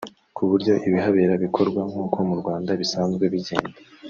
ku buryo ibihabera bikorwa nk’uko mu Rwanda bisanzwe bigenda